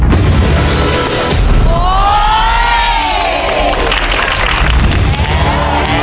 โอ้ย